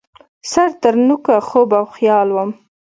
سر ترنوکه خوب او خیال وم